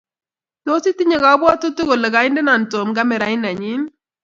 tos itinye kapwatutik kole kaindena tom kamerait nenyii